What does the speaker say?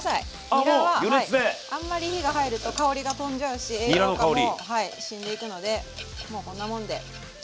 にらはあんまり火が入ると香りが飛んじゃうし栄養価も死んでいくのでもうこんなもんで。